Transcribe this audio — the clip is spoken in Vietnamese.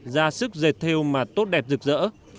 ra sức dệt theo mà tốt đẹp rực rỡ